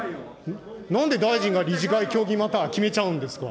なんで大臣が理事会協議マター決めちゃうんですが。